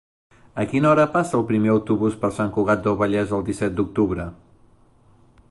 A quina hora passa el primer autobús per Sant Cugat del Vallès el disset d'octubre?